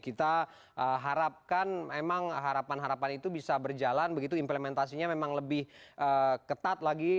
kita harapkan memang harapan harapan itu bisa berjalan begitu implementasinya memang lebih ketat lagi